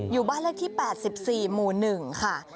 อยู่บ้านเลขที่๘๔หมู่๑ค่ะ